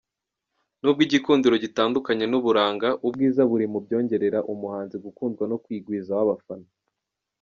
Nubwo igikundiro gitandukanye n’uburanga, ubwiza buri mu byongerera umuhanzi gukundwa no kwigwizaho abafana.